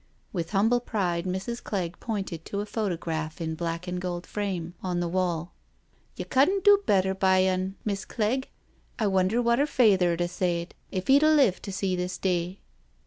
*' With humble pride Mrs. Clegg pointed to a photograph in black and gold frame on the wall. " You cudn't do better by un, Miss* Clegg. I wonder what 'er fayther'd a said, if 'e*d a lived to see this day."